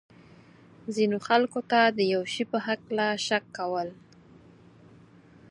ځینو خلکو ته د یو شي په هکله شک کول.